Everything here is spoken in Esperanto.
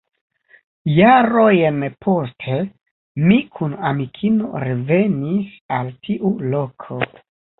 Jarojn poste mi kun amikino revenis al tiu loko.